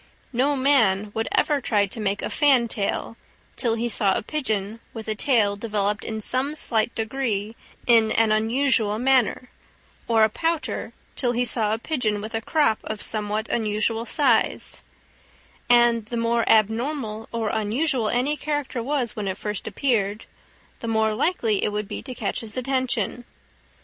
No man would ever try to make a fantail till he saw a pigeon with a tail developed in some slight degree in an unusual manner, or a pouter till he saw a pigeon with a crop of somewhat unusual size; and the more abnormal or unusual any character was when it first appeared, the more likely it would be to catch his attention.